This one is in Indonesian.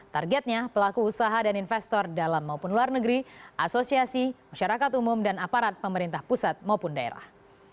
targetnya pelaku usaha dan investor dalam maupun luar negeri asosiasi masyarakat umum dan aparat pemerintah pusat maupun daerah